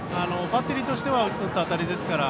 バッテリーとしては打ち取った当たりですから